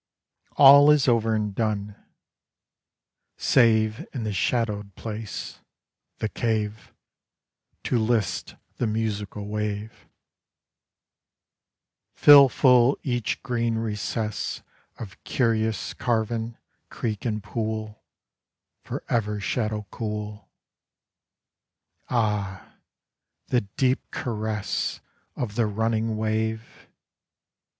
All is over and done, Save in the shadowed place, the cave, To list the musical wave Fill full each green recess Of curious carven creek and pool For ever shadow cool. Ah, the deep caress Of the running wave